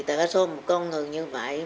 thì tựa số một con người như vậy